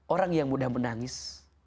orang yang mudah menangis